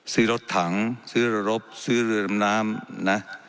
ซื้อรถถังซื้อเรือรบซื้อเรือดำน้ำนะ